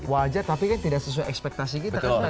wajar tapi kan tidak sesuai ekspektasi kita